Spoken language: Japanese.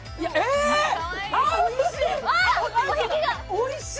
おいしい！